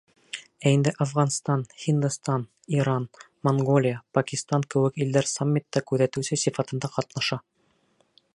Ә инде Афғанстан, Һиндостан, Иран, Монголия, Пакистан кеүек илдәр саммитта күҙәтеүсе сифатында ҡатнаша.